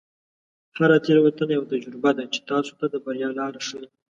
هره تیروتنه یوه تجربه ده چې تاسو ته د بریا لاره ښیي.